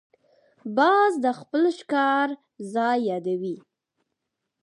باز د خپل ښکار ځای یادوي